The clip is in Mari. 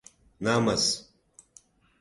Намыс...